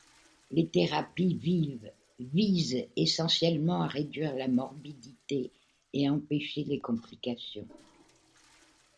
Les thérapies visent essentiellement à réduire la morbidité et à empêcher les complications.